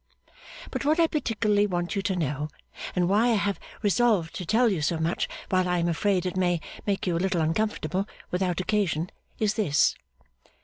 But what I particularly want you to know, and why I have resolved to tell you so much while I am afraid it may make you a little uncomfortable without occasion, is this.